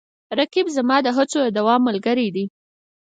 رقیب زما د هڅو د دوام ملګری دی